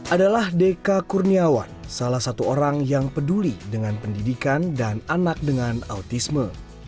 adalah deka kurniawan salah satu orang yang peduli dengan pendidikan dan anak dengan autisme